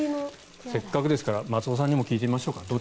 せっかくですから松尾さんにも聞いてみましょうか。